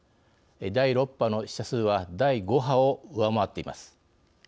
第６波の死者数は第５波を上回っています。